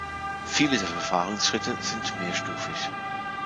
Viele der Verfahrensschritte sind mehrstufig.